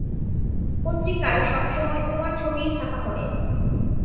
পত্রিকায় সবসময় তোমার ছবিই ছাপা হয়।